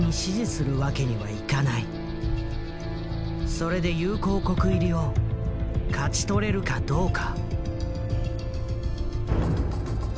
それで友好国入りを勝ち取れるかどうか。